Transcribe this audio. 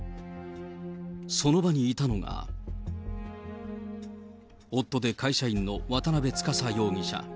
その場にいたのが、夫で会社員の渡辺司容疑者。